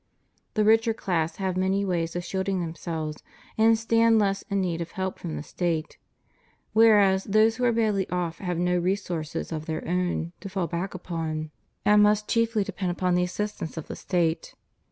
The richer class have many ways of shielding themselves, and stand less in need of help from the State ; whereas those who are badly off have no resources of their owti to fall back upon, and must chiefly depend upon the assistance of the State.